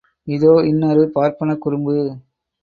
இதோ இன்னொரு பார்ப்பனக் குறும்பு!